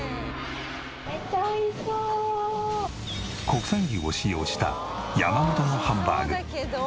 国産牛を使用した山本のハンバーグ。